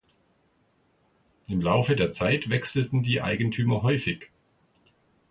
Im Laufe der Zeit wechselten die Eigentümer häufig.